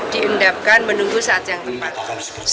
diendapkan menunggu saat yang tepat